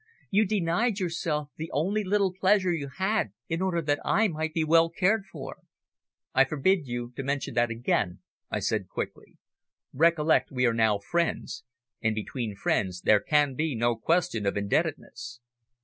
You denied yourself the only little pleasure you had, in order that I might be well cared for." "I forbid you to mention that again," I said quickly. "Recollect we are now friends, and between friends there can be no question of indebtedness."